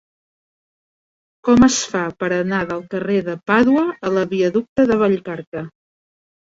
Com es fa per anar del carrer de Pàdua a la viaducte de Vallcarca?